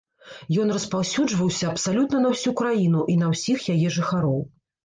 Ён распаўсюджваўся абсалютна на ўсю краіну і на ўсіх яе жыхароў.